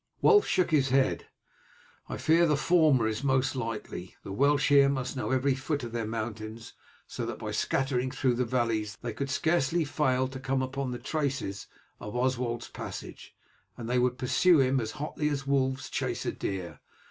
Wulf shook his head. "I fear the former is most likely. The Welsh here must know every foot of their mountains, so that by scattering through the valleys they could scarcely fail to come upon the traces of Oswald's passage, and they would pursue him as hotly as wolves chase a deer.